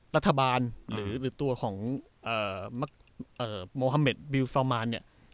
รัฐบาลหรือตัวของโมฮาเมดบิลฟาวมานเนี่ย